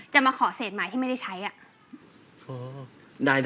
มาขอเศษหมายที่ไม่ได้ใช้อ่ะ